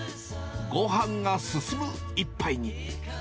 ごはんが進む一杯に。